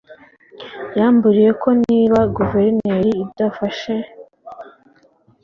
yamburiye ko niba guverinoma idafashe